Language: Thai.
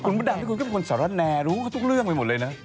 คุณบัดดักนี่ก็เป็นคนสรรเนรรู้กับทุกเรื่องไปหมดเลยนะ